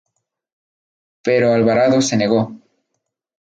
Pero Alvarado se negó.